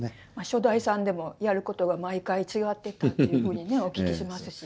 初代さんでもやることが毎回違ってたというふうにねお聞きしますし。